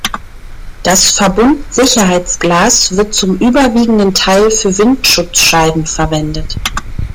Das Verbundsicherheitsglas wird zum überwiegenden Teil für Windschutzscheiben verwendet.